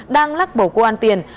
đang lắc bầu cua ăn tiền